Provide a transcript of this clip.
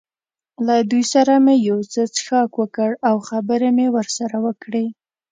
له دوی سره مې یو څه څښاک وکړ او خبرې مې ورسره وکړې.